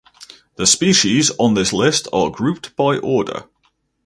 The species on this list are grouped by order.